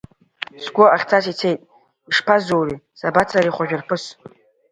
Сгәы ахьцаз ицеит ишԥазури, сабацари Хәажәарԥыс?